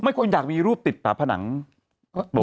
ไม่ควรอยากมีรูปติดป่าผนังโดด